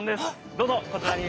どうぞこちらに。